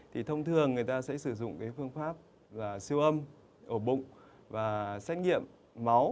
thì thông thường người ta sẽ sử dụng cái phương pháp siêu âm ổ bụng và xét nghiệm máu